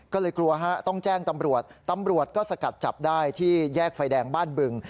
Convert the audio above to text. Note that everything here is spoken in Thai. ก็เลยกลัวฮะต้องแจ้งตำรวจตำรวจก็สกัดจับได้ที่แยกไฟแดงบ้านบึง